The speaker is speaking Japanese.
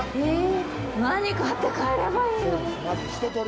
何買って帰ればいいの？